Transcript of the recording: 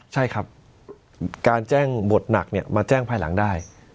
ใช่ครับการแจ้งบทหนักเนี่ยมาแจ้งภายหลังได้